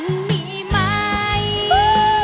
ฮุยฮาฮุยฮารอบนี้ดูทางเวที